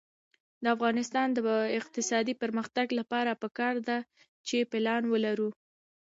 د افغانستان د اقتصادي پرمختګ لپاره پکار ده چې پلان ولرو.